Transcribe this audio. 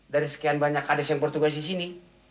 dari sekian banyak kades yang bertugas di sini